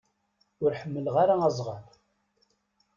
Ur ḥmileɣ ara azɣal.